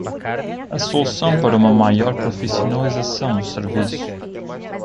A solução para uma maior profissionalização do serviço